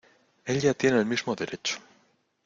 ella tiene el mismo derecho.